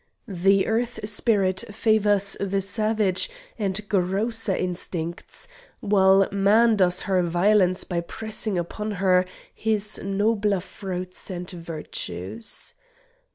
The Earth spirit favours the savage and grosser instincts, while man does her violence by pressing upon her his nobler fruits and virtues.